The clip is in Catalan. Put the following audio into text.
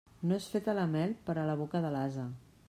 No és feta la mel per a la boca de l'ase.